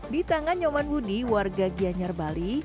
di tangan nyoman budi warga gianyar bali